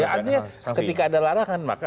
artinya ketika ada larangan maka